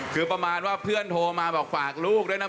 คือประมาณว่าเพื่อนโทรมาบอกฝากลูกด้วยนะ